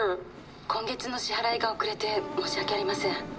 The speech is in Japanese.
「今月の支払いが遅れて申し訳ありません」